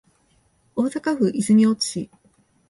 大阪府泉大津市